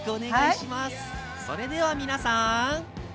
それでは皆さん。